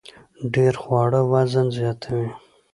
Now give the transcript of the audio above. ډیر خواړه وزن زیاتوي